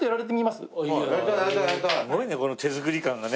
すごいねこの手作り感がね。